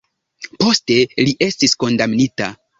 Poste li estis kondamnita.